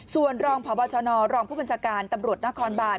ส่วนรองพบชนรองผู้บัญชาการตำรวจนครบาน